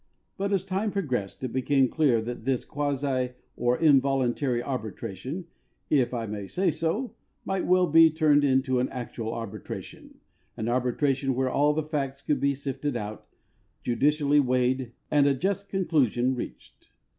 But as time progressed it became clear that this quasi or involuntary arbitration, if I may say so, might well be turned into an actual arbitration — an arbitration where all the facts could be sifted out, judicially weighed, and a just conclusion reached.